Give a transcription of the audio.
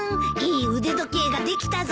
いい腕時計ができたぞ。